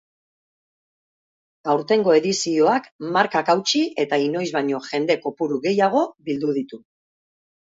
Aurtengo edizioak markak hautsi eta inoiz baino jende kopuru gehiago bildu ditu.